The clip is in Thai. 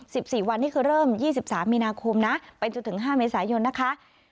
สิบสี่วันนี้คือเริ่มยี่สิบสามมีนาคมนะไปจนถึงห้าเมษายนนะคะ